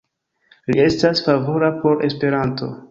Li estas favora por Esperanto.